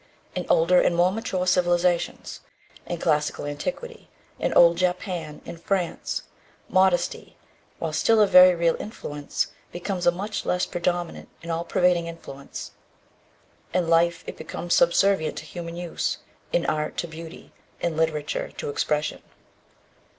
In older and more mature civilizations in classical antiquity, in old Japan, in France modesty, while still a very real influence, becomes a much less predominant and all pervading influence. In life it becomes subservient to human use, in art to beauty, in literature to expression.